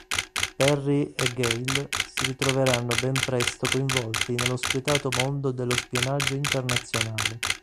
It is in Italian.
Perry e Gail si ritroveranno ben presto coinvolti nello spietato mondo dello spionaggio internazionale.